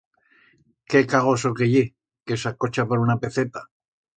Qué cagoso que ye, que s'acocha por una peceta!